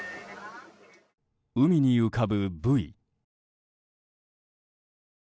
海に浮かぶブイ。